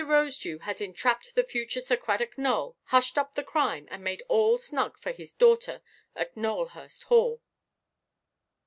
Rosedew has entrapped the future Sir Cradock Nowell, hushed up the crime, and made all snug for his daughter at Nowelhurst Hall.